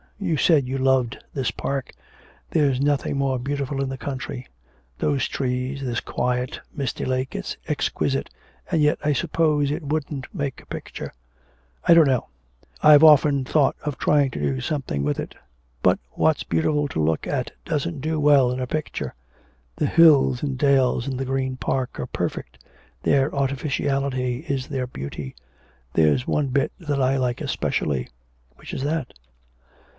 You said you loved this park. There's nothing more beautiful in the country those trees, this quiet, misty lake; it is exquisite, and yet I suppose it wouldn't make a picture.' 'I don't know. I've often thought of trying to do something with it. But what's beautiful to look at doesn't do well in a picture. The hills and dales in the Green Park are perfect their artificiality is their beauty. There's one bit that I like especially.' 'Which is that?'